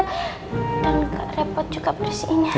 dan gak repot juga bersihnya